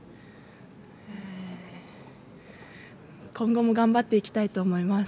今後も頑張っていきたいと思います。